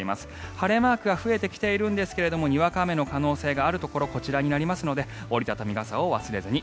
晴れマークが増えてきているんですがにわか雨の可能性があるところこちらになりますので折り畳み傘を忘れずに。